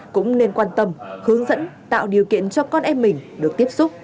cũng nên quan tâm hướng dẫn tạo điều kiện cho con em mình được tiếp xúc